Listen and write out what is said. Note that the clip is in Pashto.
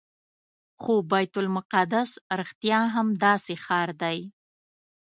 خو بیت المقدس رښتیا هم داسې ښار دی.